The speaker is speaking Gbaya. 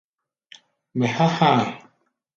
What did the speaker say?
Mɛ há̧ há̧ a̧.